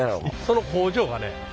その工場がね